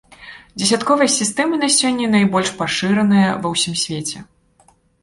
Дзесятковая сістэма на сёння найбольш пашыраная ва ўсім свеце.